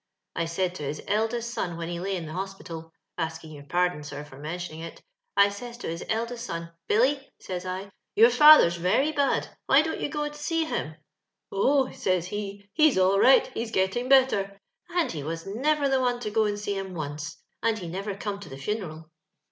I said to his eldest son, wlion he lay in the hospital, (asking your par don, sir, for mentioning it) — I says to his eldest son, * Billy,' says I, • your father's very bad — why don't you go to see him?' 'Oh.' says he, ' he's all right, he's gettin' better ;' and he was never the one to go and see him once ; and he never come to the funeral.